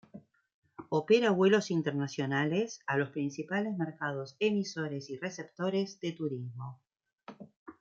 Opera vuelos internacionales a los principales mercados emisores y receptores de turismo.